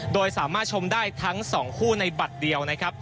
โดยสามารถชมทั้งสองคู่ใช้ในบัตรเดียว